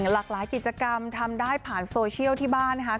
หลากหลายกิจกรรมทำได้ผ่านโซเชียลที่บ้านนะคะ